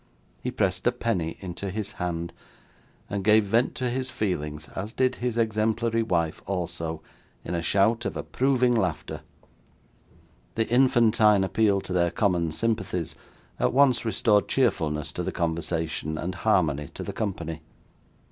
He pressed a penny into his hand, and gave vent to his feelings (as did his exemplary wife also), in a shout of approving laughter. The infantine appeal to their common sympathies, at once restored cheerfulness to the conversation, and harmony to the company.